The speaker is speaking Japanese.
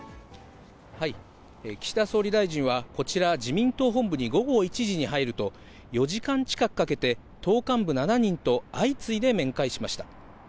岸田総理大臣は、こちら、自民党本部に午後１時に入ると、４時間近くかけて、党幹部７人と相次いで面会しました。